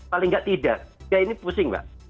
paling tidak tidak ya ini pusing mbak